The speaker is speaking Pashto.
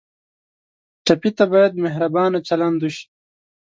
ټپي ته باید مهربانه چلند وشي.